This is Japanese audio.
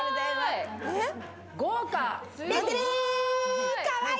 豪華！